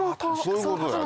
そういうことだよ。